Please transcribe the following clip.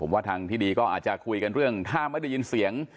ว่าทางที่ดีก็อาจจะคุยกันเรื่องถ้าไม่ได้ยินเสียง